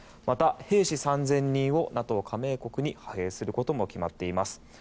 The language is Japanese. また、兵士３０００人をＮＡＴＯ加盟国に派兵することも決まっています。